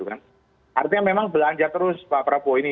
artinya memang belanja terus prabowo ini